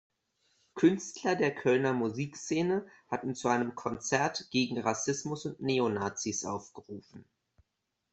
Künstler der Kölner Musikszene hatten zu einem Konzert „gegen Rassismus und Neonazis“ aufgerufen.